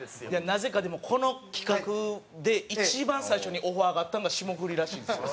なぜかでもこの企画で一番最初にオファーがあったのが霜降りらしいんですよ。